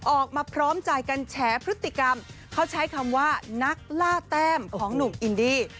ออกมาพร้อมใจกันแฉพฤติกรรมเขาใช้คำว่านักล่าแต้มของหนุ่มอินดี้